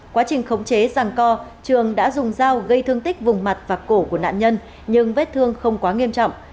quá trình khống chế rằng co trường đã dùng dao gây thương tích vùng mặt và cổ của nạn nhân nhưng vết thương không quá nghiêm trọng